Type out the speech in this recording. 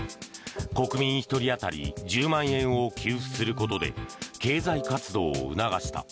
国民１人当たり１０万円を給付することで経済活動を促した。